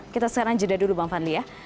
kita sekarang jeda dulu bang fadli ya